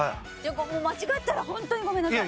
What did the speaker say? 間違ったらホントにごめんなさい。